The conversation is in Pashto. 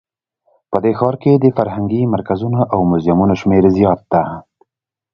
په دې ښار کې د فرهنګي مرکزونو او موزیمونو شمیر زیات ده